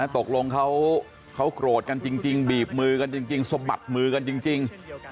ตกลงเขาโกรธกันจริงบีบมือกันจริงสะบัดมือกันจริง